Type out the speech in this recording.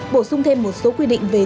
bổ sung thêm một số quy định về